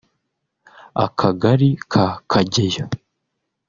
Akagali ka Kageyo